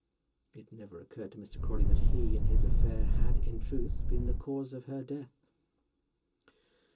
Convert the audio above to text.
It never occurred to Mr. Crawley that he and his affair had, in truth, been the cause of her death.